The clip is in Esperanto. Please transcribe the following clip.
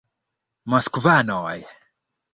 Moskvanoj!